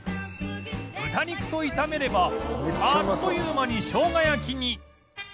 豚肉と炒めればあっという間に生姜焼きに